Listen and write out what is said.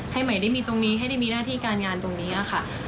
ให้ใหม่ได้มีตรงนี้ให้ได้มีหน้าที่การงานตรงนี้ค่ะ